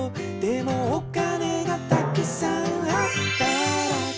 「でもお金がたくさんあったら」